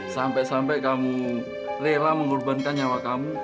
sampai sampai kamu rela mengorbankan nyawa kamu